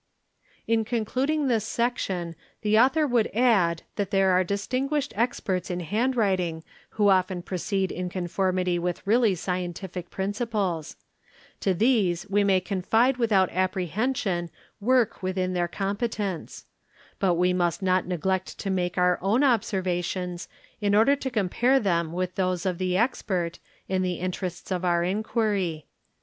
|_ In concluding this section the author would add that there are dis tinguished experts in hand writing who often proceed in conformity with really scientific principles ; to these we may confide without apprehension work within their competence; but we must not neglect to make our ywn observations in order to compare them with those of the expert, in he interests of our inquiry.